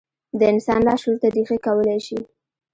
د انسان لاشعور ته رېښې کولای شي.